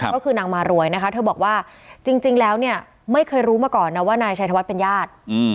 ก็คือนางมารวยนะคะเธอบอกว่าจริงแล้วเนี่ยไม่เคยรู้มาก่อนนะว่านายชัยธวัฒน์เป็นญาติ